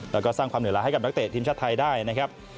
แล้วก็สร้างความเหนื่อยล้าให้กับนักเตะทีมชาติไทยได้นะครับ